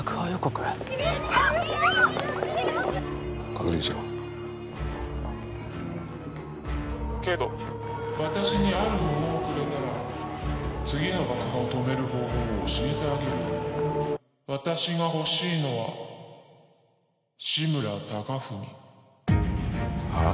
確認しろけど私にあるものをくれたら次の爆破を止める方法を教えてあげる私が欲しいのは志村貴文はあ？